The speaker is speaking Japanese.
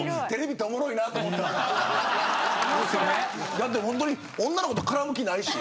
だってホントに女の子と絡む気ないし。